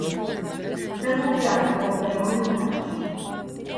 ფეხბურთი არის პოპულარული თამაში